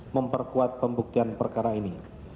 memperkuat pembuktian perkara ini